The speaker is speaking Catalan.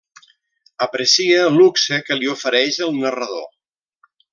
Aprecia el luxe que li ofereix el narrador.